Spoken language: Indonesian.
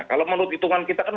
kalau menurut hitungan kita kan